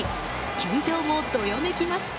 球場もどよめきます。